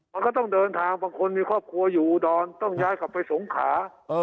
มันก็ต้องเดินทางบางคนมีครอบครัวอยู่อุดรต้องย้ายกลับไปสงขา